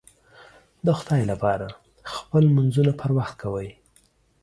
د خدای لپاره خپل لمونځونه پر وخت کوئ